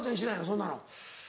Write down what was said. そんなの。